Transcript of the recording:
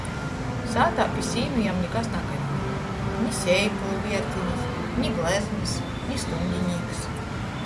Sātā pi sīnu jam nikas nakarinēja — ni seipulu viertinis, ni gleznys, ni stuņdinīks.